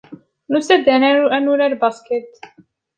Nusa-d ad nurar basket.